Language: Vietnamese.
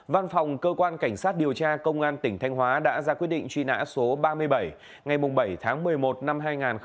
văn phòng cơ quan cảnh sát điều tra công an tỉnh thanh hóa đã ra quyết định truy nã số ba mươi bảy ngày bảy tháng một mươi một năm hai nghìn một mươi ba